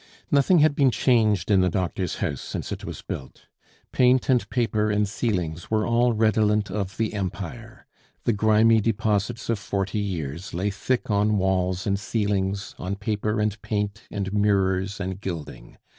Nothing had been changed in the doctor's house since it was built. Paint and paper and ceilings were all redolent of the Empire. The grimy deposits of forty years lay thick on walls and ceilings, on paper and paint and mirrors and gilding.